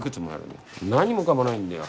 何もかもないんだよ。